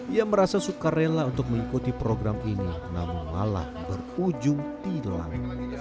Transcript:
ia merasa suka rela untuk mengikuti program ini namun malah berujung tilang